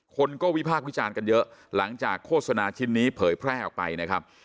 คนก็วิพากษ์วิจารณ์กันเยอะหลังจากโฆษณาชิ้นนี้เผยแพร่ออกไปนะครับ